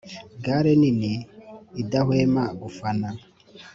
gales nini idahwema gufana,